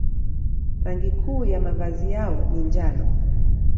Rangi kuu ya mavazi yao ni njano.